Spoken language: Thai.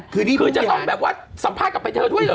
คือจะต้องสัมภาษณ์กลับไปเธอด้วยเหรอ